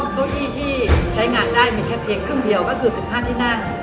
โต๊ะที่ที่ใช้งานได้มีแค่เพ็กครึ่งเดียวก็คือ๑๓ที่หน้า